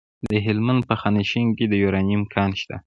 د هلمند په خانشین کې د یورانیم کان دی.